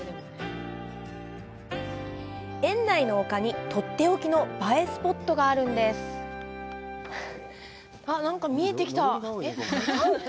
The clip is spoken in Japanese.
園内の丘に、取って置きの映えスポットがあるんですあっ、なんか見えてきた。